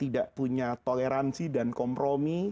tidak punya toleransi dan kompromi